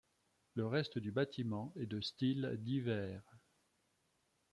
Le reste du bâtiment est de styles divers.